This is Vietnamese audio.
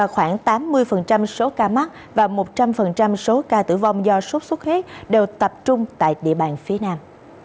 khoảng tám mươi số ca mắc và một trăm linh số ca tử vong do sốt xuất huyết đều tập trung tại địa bàn phía nam